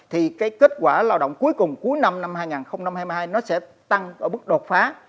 thì cái kết quả lao động cuối cùng cuối năm năm hai nghìn hai mươi hai nó sẽ tăng ở bước đột phá